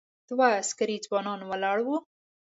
دوه عسکري ځوانان ولاړ و.